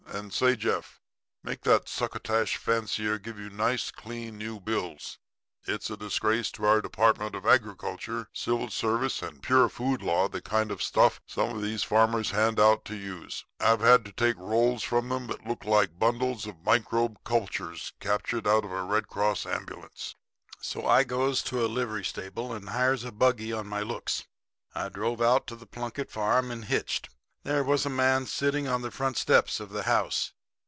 And say, Jeff, make that succotash fancier give you nice, clean, new bills. It's a disgrace to our Department of Agriculture, Civil Service and Pure Food Law the kind of stuff some of these farmers hand out to use. I've had to take rolls from 'em that looked like bundles of microbe cultures captured out of a Red Cross ambulance.' "So, I goes to a livery stable and hires a buggy on my looks. I drove out to the Plunkett farm and hitched. There was a man sitting on the front steps of the house.